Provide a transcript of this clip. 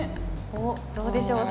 どうでしょう。